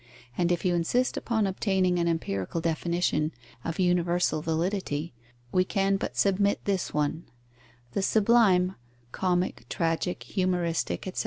And if you insist upon obtaining an empirical definition of universal validity, we can but submit this one: The sublime (comic, tragic, humoristic, etc.)